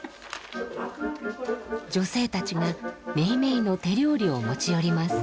女性たちがめいめいの手料理を持ち寄ります。